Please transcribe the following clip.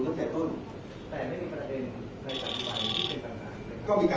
ผมขอเพียบทุกคนครับใช้ได้ไหมครับ